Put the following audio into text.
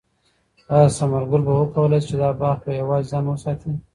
آیا ثمر ګل به وکولای شي چې دا باغ په یوازې ځان وساتي؟